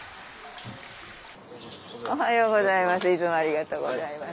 おはようございます。